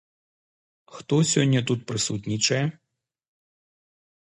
Хто сёння тут прысутнічае?